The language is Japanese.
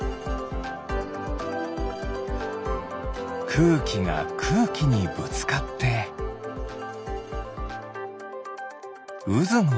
くうきがくうきにぶつかってうずのわっかができる。